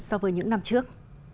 so với những năm trước